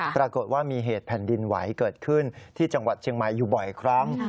ปรากฏว่ามีเหตุแผ่นดินไหวเกิดขึ้นที่จังหวัดเชียงใหม่อยู่บ่อยครั้ง